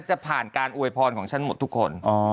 จะผ่านการอวยพรของฉันหมดทุกคน